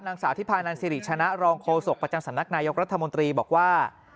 นางสาวที่พานันสิริชนะรองโฆษกประจำสำนักนายกรัฐมนตรีบอกว่า